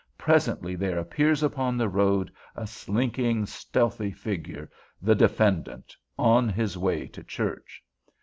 Presently there appears upon the road a slinking, stealthy figure—the defendant, on his way to church.